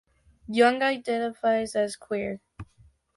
Young identifies as queer.